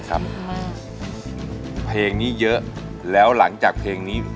เพราะว่าเพลิงนี้เยอะแล้วหลังจากเพลิงนี้